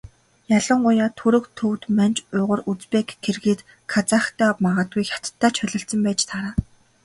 Ялангуяа Түрэг, Төвөд, Манж, Уйгар, Узбек, Киргиз, Казахтай магадгүй Хятадтай ч холилдсон байж таараа.